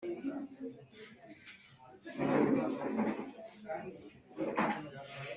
. Cyari gihuje n’umurimo w’abamarayika b’Imana bahora banyuranamo hagati y’ijuru n’isi bakorera inyokomuntu ibabaye.